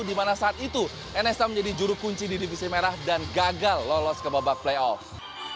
di mana saat itu nsk menjadi juru kunci di divisi merah dan gagal lolos ke babak playoff